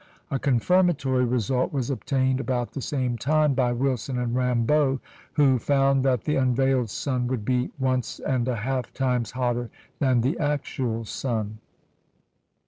A confirmatory result was obtained about the same time by Wilson and Rambaut, who found that the unveiled sun would be once and a half times hotter than the actual sun.